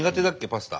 パスタ。